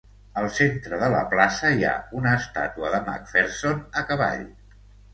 Al centre de la plaça hi ha una estàtua de McPherson a cavall.